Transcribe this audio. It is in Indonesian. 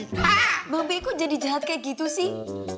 hei mbak be kok jadi jahat kayak gitu sih